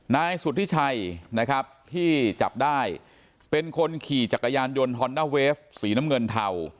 นายสุธิชัยนะครับที่จับได้เป็นคนขี่จักรยานยนต์ฮอนด้าเวฟสีน้ำเงินเทา